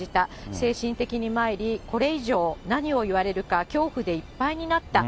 精神的にまいり、これ以上、何を言われるか恐怖でいっぱいになった。